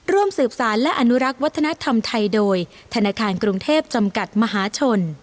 ร่วมสืบสารและอนุรักษ์วัฒนธรรมไทยโดยธนาคารกรุงเทพจำกัดมหาชน